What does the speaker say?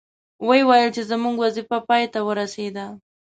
وې ویل چې زموږ وظیفه پای ته ورسیده.